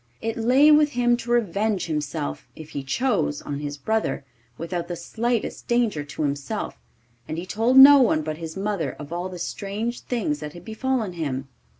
It lay with him to revenge himself, if he chose, on his brother, without the slightest danger to himself, and he told no one but his mother of all the strange things that had befallen him.